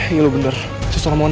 iya lo bener itu suara mona